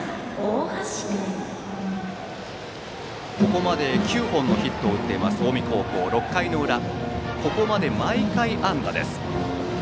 ここまで９本のヒットを打っている近江高校６回の裏、ここまで毎回安打です。